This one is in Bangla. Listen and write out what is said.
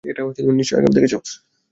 এটা নিশ্চয় আগেও দেখেছো।